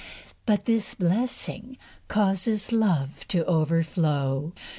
But this blessing causes love to overflow.